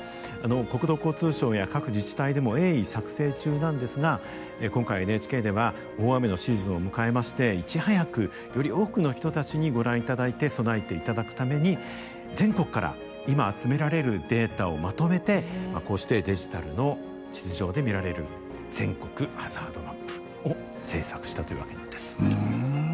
国土交通省や各自治体でも鋭意作成中なんですが今回ＮＨＫでは大雨のシーズンを迎えましていち早くより多くの人たちにご覧いただいて備えていただくために全国から今集められるデータをまとめてこうしてデジタルの地図上で見られる全国ハザードマップを制作したというわけなんです。